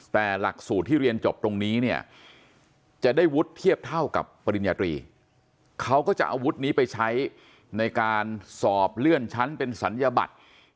แต่หลักสูตรที่เรียนจบตรงนี้เนี่ยจะได้วุฒิเทียบเท่ากับปริญญาตรีเขาก็จะอาวุธนี้ไปใช้ในการสอบเลื่อนชั้นเป็นศัลยบัตร